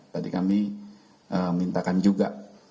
tadi kami mintakan juga